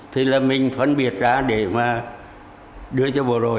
thì là mình phân biệt ra để mà đưa cho bộ rồi